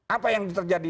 apa yang terjadi